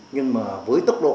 nhưng mà với tốc độ